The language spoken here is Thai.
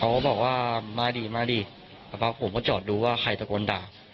เขาก็บอกว่ามาดีแต่พอผมก็จอดดูว่าใครตะโกนด่า